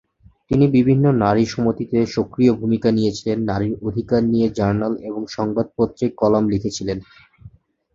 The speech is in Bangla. তিনি বিভিন্ন নারী সমিতিতে সক্রিয় ভূমিকা নিয়েছিলেন, নারীর অধিকার নিয়ে জার্নাল এবং সংবাদপত্রে কলাম লিখেছিলেন।